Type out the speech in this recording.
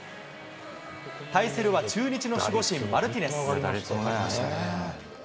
対するは、中日の守護神、マルティネス。